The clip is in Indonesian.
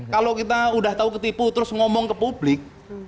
kalau kita udah tahu ketipu terus ngomong ke publik